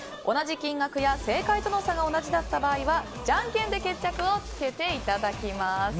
同じ金額や正解との差が同じだった場合はじゃんけんで決着をつけていただきます。